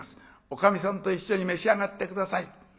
おかみさんと一緒に召し上がって下さい」。